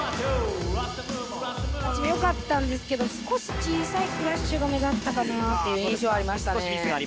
よかったんですけど少し小さいクラッシュが目立ったかなっていう印象ありましたね。